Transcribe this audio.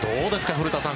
古田さん